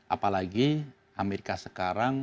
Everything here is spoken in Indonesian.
apalagi amerika sekarang